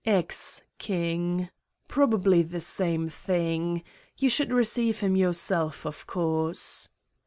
" Ex king. Probably the same thing. You should receive him yourself, of course."